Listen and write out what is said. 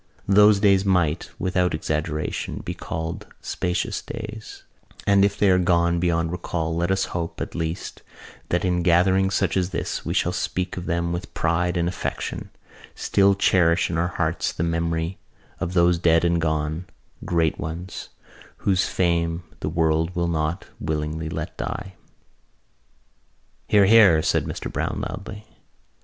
Those days might, without exaggeration, be called spacious days: and if they are gone beyond recall let us hope, at least, that in gatherings such as this we shall still speak of them with pride and affection, still cherish in our hearts the memory of those dead and gone great ones whose fame the world will not willingly let die." "Hear, hear!" said Mr Browne loudly.